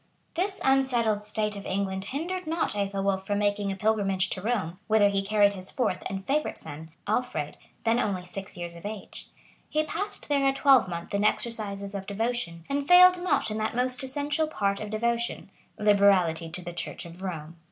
This unsettled state of England hindered not Ethelwolf from making a pilgrimage to Rome, whither he carried his fourth and favorite son, Alfred, then only six years of age.[*] He passed there a twelvemonth in exercises of devotion; and failed not in that most essential part of devotion, liberality to the church of Rome.